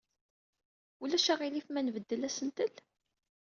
Ulac aɣilif ma nbeddel asentel?